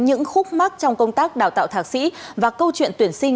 những khúc mắt trong công tác đào tạo thạc sĩ và câu chuyện tuyển sinh